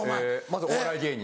まずお笑い芸人。